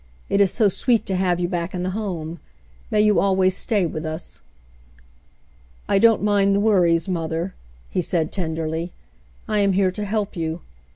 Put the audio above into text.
It is so sweet to have you back in the home. May you always stay with us." "I don't mind the worries, mother," he said tenderly; "I am here to help you.